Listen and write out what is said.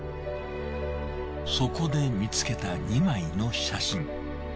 そこで見つけた２枚の写真。